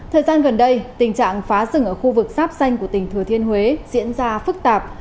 thời gian gần đây tình trạng phá rừng ở khu vực sáp xanh của tỉnh thừa thiên huế diễn ra phức tạp